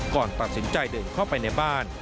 ก่อนตัดสินใจเดินเข้าไปในบ้าน